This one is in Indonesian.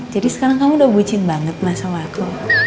jadi sekarang kamu udah bucin banget sama aku